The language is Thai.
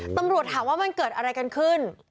ตำรวจถามว่ามันเกิดอะไรกันขึ้น